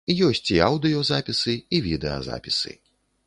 Ёсць і аўдыёзапісы, і відэазапісы.